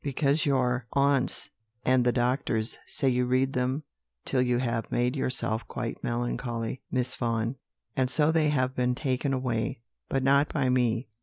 "'Because your aunts and the doctors say you read them till you have made yourself quite melancholy, Miss Vaughan; and so they have been taken away, but not by me.